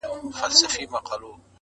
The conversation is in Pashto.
• چي لــه ژړا سره خبـري كوم.